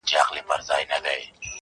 د میرخان په ږغ کي اوري